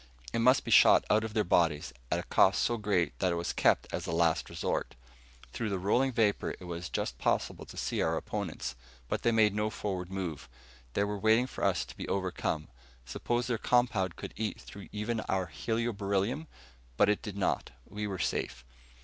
It must be shot out of their bodies, at a cost so great that it was kept as a last resort. Through the rolling vapor it was just possible to see our opponents, but they made no forward move. They were waiting for us to be overcome. Suppose their compound could eat through even our helio beryllium? But it did not. We were safe.